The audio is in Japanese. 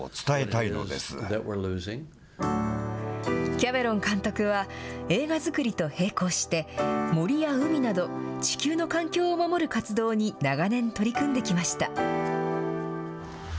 キャメロン監督は、映画作りと並行して、森や海など、地球の環境を守る活動に長年取り組んできました。